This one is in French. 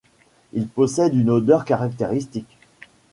Il possède une odeur caractéristique.